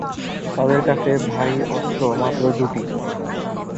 তাদের কাছে ভারী অস্ত্র মাত্র দুটি।